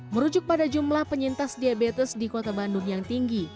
merujuk pada jumlah penyintas diabetes di kota bandung yang tinggi